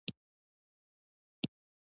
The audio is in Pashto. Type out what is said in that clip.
د دولتي خزانې کمېدل د انقلاب راتلو یو لامل و.